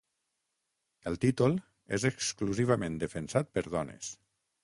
El títol és exclusivament defensat per dones.